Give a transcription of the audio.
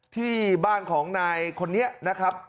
ที่บ้านของนายคนนี้นะครับ